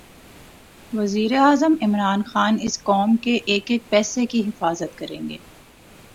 وزیراعظم عمران خان اس قوم کے ایک ایک پیسے کی حفاظت کریں گے